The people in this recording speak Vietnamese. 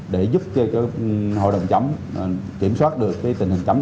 để giúp cho hội đồng chấm kiểm soát được tình hình chấm